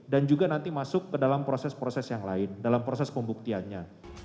dan juga nanti masuk ke dalam proses proses yang lain dalam proses pembuktiannya